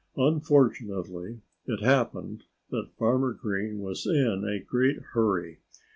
Unfortunately, it happened that Farmer Green was in a great hurry.